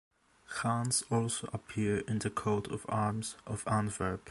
Hands also appear in the coat of arms of Antwerp.